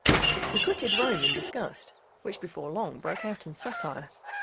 He quitted Rome in disgust, which before long broke out in satire.